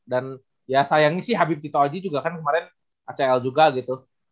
dan ya sayangnya sih habib tito aji juga kan kemarin acl juga gitu